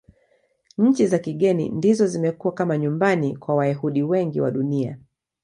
Nchi za kigeni ndizo zimekuwa kama nyumbani kwa Wayahudi wengi wa Dunia.